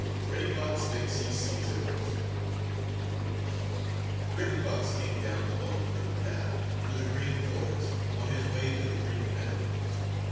II REDDY FOX THINKS HE SEES A GHOST Reddy Fox came down the Lone Little Path through the Green Forest on his way to the Green Meadows.